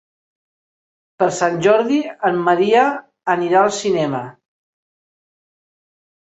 Per Sant Jordi en Maria anirà al cinema.